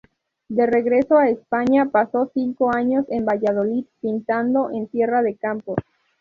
De regreso a España, pasó cinco años en Valladolid pintando en Tierra de Campos.